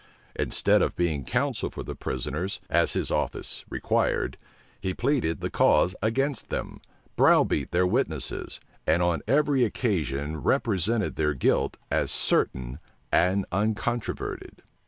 Instead of being counsel for the prisoners, as his office required, he pleaded the cause against them, browbeat their witnesses, and on every occasion represented their guilt as certain and uncontroverted.